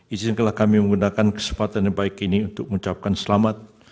izinkanlah kami menggunakan kesempatan yang baik ini untuk mengucapkan selamat